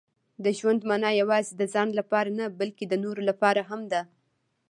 • د ژوند مانا یوازې د ځان لپاره نه، بلکې د نورو لپاره هم ده.